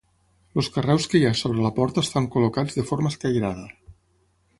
Els carreus que hi ha sobre la porta estan col·locats de forma escairada.